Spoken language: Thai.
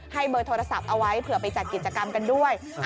เบอร์โทรศัพท์เอาไว้เผื่อไปจัดกิจกรรมกันด้วย